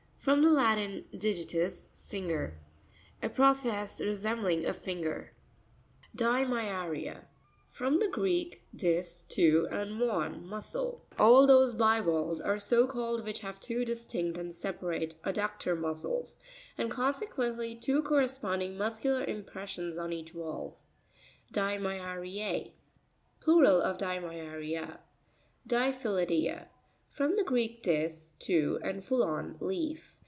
—From the Latin, digi ius, finger. A process resembling a finger. Dinmya'r1a.—From the Greek, dis, two, and muén, muscle. All those bivalves are so called which have two distinct and separate adductor muscles, and consequently two cor responding muscular impressions on each valve. Dimya'R1#.—Plural of dimyaria. Dipny ui'p1a.—F rom the Greek, dis, two, and phullon, leaf.